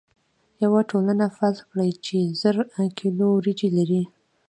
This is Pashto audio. یوه ټولنه فرض کړئ چې زر کیلو وریجې لري.